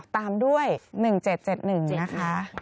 ตามด้วย๑๗๗๑นะคะ